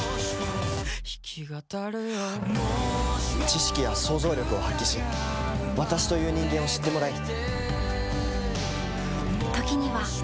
知識や想像力を発揮し私という人間を知ってもらい。